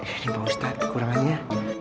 ini pak ustadz kekurangannya